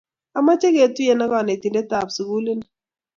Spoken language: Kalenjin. Amache ketuyen ak kanetindet ap sukuli ni.